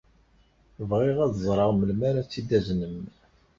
Bɣiɣ ad ẓreɣ melmi ara tt-id-taznem.